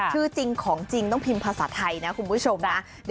ชื่อจริงของจริงต้องพิมพ์ภาษาไทยนะคุณผู้ชมนะ